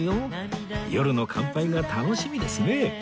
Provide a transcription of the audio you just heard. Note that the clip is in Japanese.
夜の乾杯が楽しみですね